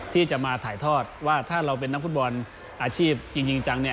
ที่จะมาถ่ายทอดว่าถ้าเราเป็นนักฟุตบอลอาชีพจริงจัง